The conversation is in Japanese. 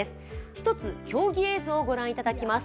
１つ、競技映像をご覧いただきます。